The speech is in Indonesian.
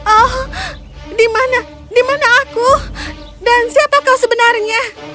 oh dimana aku dan siapa kau sebenarnya